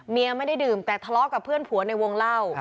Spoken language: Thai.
ไม่ได้ดื่มแต่ทะเลาะกับเพื่อนผัวในวงเล่า